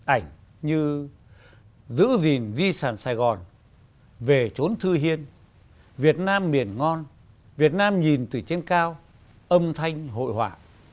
ảnh như giữ gìn di sản sài gòn về trốn thư hiên việt nam miền ngon việt nam nhìn từ trên cao âm thanh hội họa